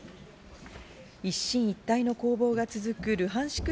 一進一退の攻防が続くルハンシク